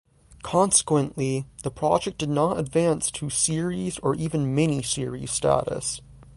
Consequently, the project did not advance to series, or even to mini-series, status.